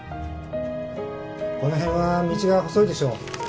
・この辺は道が細いでしょ